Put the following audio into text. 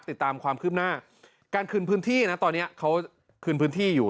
ติดตามความคืบหน้าการคืนพื้นที่นะตอนนี้เขาคืนพื้นที่อยู่